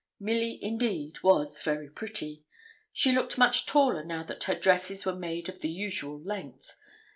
Milly indeed was very pretty. She looked much taller now that her dresses were made of the usual length.